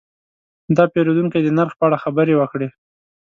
دا پیرودونکی د نرخ په اړه خبرې وکړې.